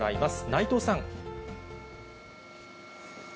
内藤さん。